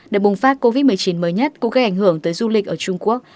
đợt bùng phát covid một mươi chín mới nhất cũng gây ảnh hưởng tới du lịch ở trung quốc